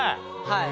はい。